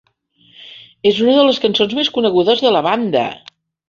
És una de les cançons més conegudes de la banda.